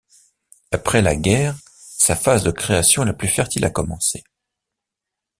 Après la guerre, sa phase de création la plus fertile a commencé.